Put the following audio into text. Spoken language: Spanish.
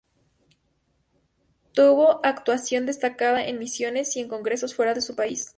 Tuvo actuación destacada en misiones y en congresos fuera de su país.